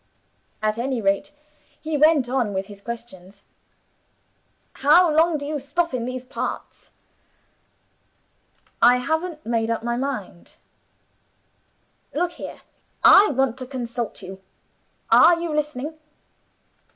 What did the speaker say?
At any rate, he went on with his questions. 'How long do you stop in these parts?' 'I haven't made up my mind.' 'Look here; I want to consult you are you listening?